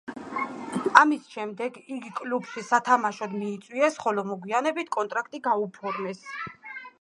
ამის შემდეგ, იგი კლუბში სათამაშოდ მიიწვიეს, ხოლო მოგვიანებით კონტრაქტი გაუფორმეს.